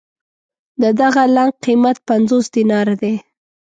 د دغه لنګ قېمت پنځوس دیناره دی.